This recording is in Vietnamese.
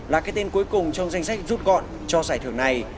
là cái tên cuối cùng trong danh sách rút gọn cho giải thưởng này